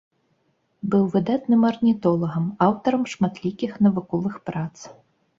Быў выдатным арнітолагам, аўтарам шматлікіх навуковых прац.